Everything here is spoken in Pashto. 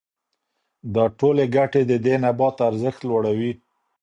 دا ټولې ګټې د دې نبات ارزښت لوړوي.